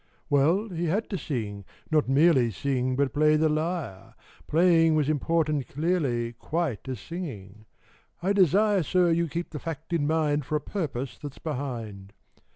Well, he had to sing, nor merely Sing but play the lyre ; Playing was important clearly Quite as singing : I desire, Sir, you keep the fact in mind For a purpose that's behind.